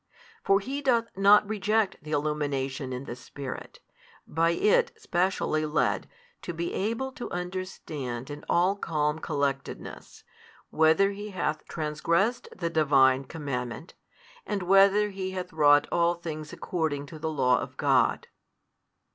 For he doth not reject the illumination in the Spirit, by It specially led to be able to |178 understand in all calm collectedness, whether he hath transgressed the Divine commandment, and whether he hath wrought all things according to the Law of God.